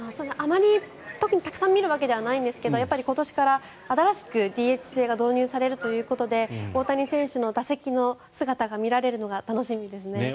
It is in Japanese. あまり特にたくさん見るわけではないんですがやっぱり今年から新しくＤＨ制が導入されるということで大谷選手の打席の姿が見られるのが楽しみですね。